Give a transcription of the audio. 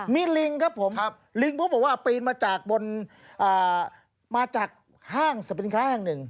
มีลิงครับลิงโปรบบอกว่าปีนมาจากห้างสเปนค้าครั้งหนึ่ง